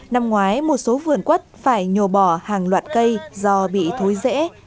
năm ngoái một số vườn quất phải nhồ bò hàng loạt cây do bị thối rễ